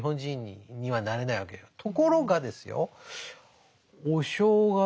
ところがですよお正月